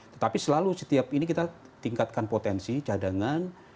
tetapi selalu setiap ini kita tingkatkan potensi cadangan